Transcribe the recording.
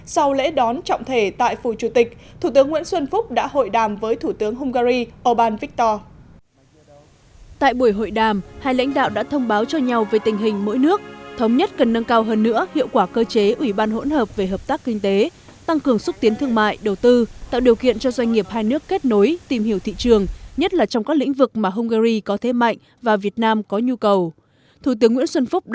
sáng ngày hai mươi năm tháng chín sau lễ đón trọng thể tại phủ chủ tịch thủ tướng nguyễn xuân phúc đã hội đàm với thủ tướng hungary orbán viktor